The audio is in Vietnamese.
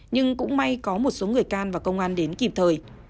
nhưng cũng may có một số người can và công an đến kịp thời